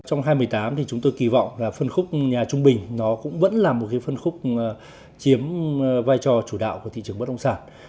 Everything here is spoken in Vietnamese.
trong hai nghìn một mươi tám chúng tôi kỳ vọng phân khúc nhà trung bình cũng vẫn là một phân khúc chiếm vai trò chủ đạo của thị trường bất đồng sản